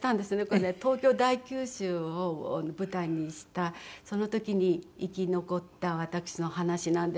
これ東京大空襲を舞台にしたその時に生き残った私の話なんですけれども。